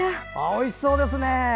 おいしそうですね！